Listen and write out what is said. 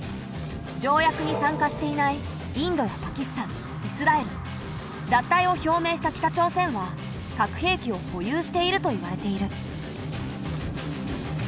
条約に参加していないインドやパキスタンイスラエル脱退を表明した北朝鮮は核兵器を保有しているといわれている。